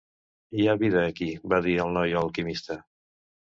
"Hi ha vida aquí", va dir el noi a l'alquimista.